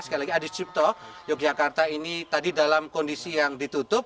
sekali lagi adi cipto yogyakarta ini tadi dalam kondisi yang ditutup